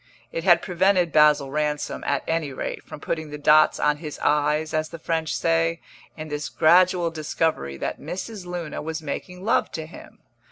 It had prevented Basil Ransom, at any rate, from putting the dots on his i's, as the French say, in this gradual discovery that Mrs. Luna was making love to him.